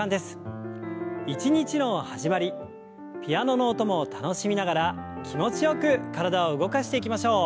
一日の始まりピアノの音も楽しみながら気持ちよく体を動かしていきましょう。